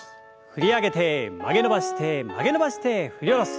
振り上げて曲げ伸ばして曲げ伸ばして振り下ろす。